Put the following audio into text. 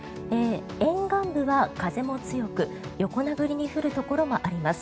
沿岸部は風も強く横殴りに降るところもあります。